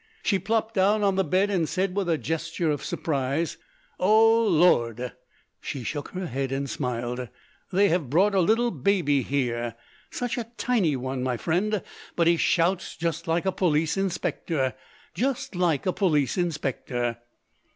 She plopped down on the bed, and said with a gesture of surprise: "Oh Lord!" She shook her head and smiled. "They have brought a little baby here. Such a tiny one, my friend, but he shouts just like a police inspector. Just like a police inspector!"